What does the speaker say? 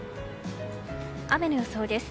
雨の予想です。